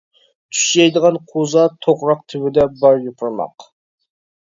چۈش يەيدىغان قوزا توغراق تۈۋىدە بار يوپۇرماق.